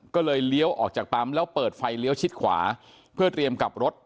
ก็เลยเลี้ยวออกจากปั๊มแล้วเปิดไฟเลี้ยวชิดขวาเพื่อเตรียมกลับรถ